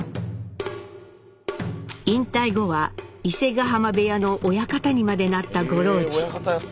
引退後は伊勢ヶ濱部屋の親方にまでなった五郎治。